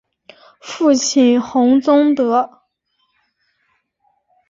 父亲洪宗德。